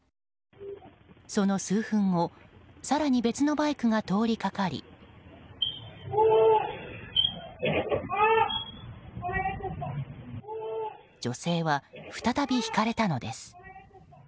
その数分後、更に別のバイクが通りかかり女性は再びひかれたのです。